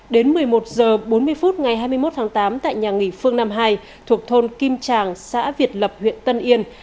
đến một mươi một h bốn mươi phút ngày hai mươi một tháng tám tại nhà nghỉ phương nam hai thuộc thôn kim tràng xã việt lập huyện tân yên